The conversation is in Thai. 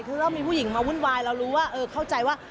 คือเรามีผู้หญิงมาวุ่นวายเรารู้ว่าเข้าใจว่า